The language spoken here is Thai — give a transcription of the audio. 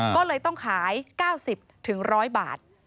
ก็เลยต้องขาย๙๐๑๐๐บาท